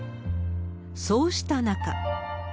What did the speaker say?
そうした中。